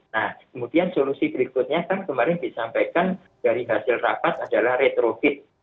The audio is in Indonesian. nah kemudian solusi berikutnya kan kemarin disampaikan dari hasil rapat adalah retrofit